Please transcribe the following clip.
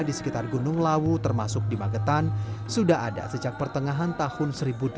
di sekitar gunung lawu termasuk di magetan sudah ada sejak pertengahan tahun seribu delapan ratus